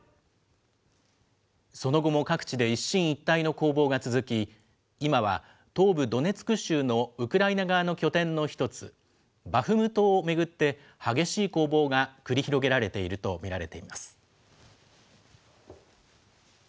その後も各地で一進一退の攻防が続き、今は東部ドネツク州のウクライナ側の拠点の一つ、バフムトを巡って激しい攻防が繰り広げられていると見られています。